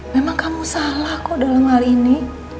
memang kamu salah kok dalam hal ini